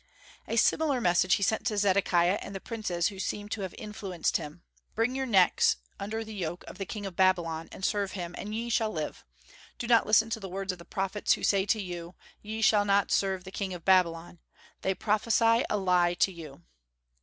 A similar message he sent to Zedekiah and the princes who seemed to have influenced him. "Bring your necks under the yoke of the king of Babylon, and serve him, and ye shall live. Do not listen to the words of the prophets who say to you, Ye shall not serve the king of Babylon. They prophesy a lie to you."